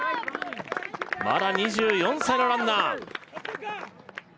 まだ２４歳のランナー